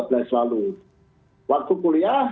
lalu waktu kuliah